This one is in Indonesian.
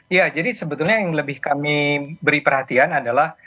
ya jadi sebetulnya yang lebih kami beri perhatian adalah